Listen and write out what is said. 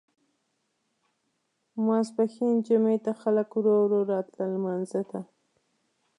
ماسپښین جمعې ته خلک ورو ورو راتلل لمانځه ته.